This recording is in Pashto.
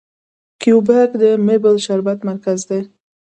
کیوبیک د میپل شربت مرکز دی.